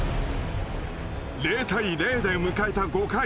０対０で迎えた５回。